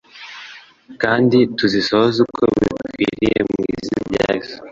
kandi tuzisohoze uko bikwiriye mu izina rya yesu